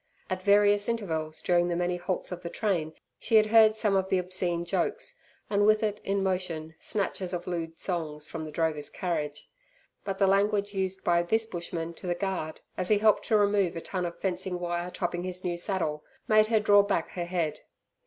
At various intervals during the many halts of the train, she had heard some of the obscene jokes, and with it in motion, snatches of lewd songs from the drovers' carriage. But the language used by this bushman to the guard, as he helped to remove a ton of fencing wire topping his new saddle, made her draw back her head.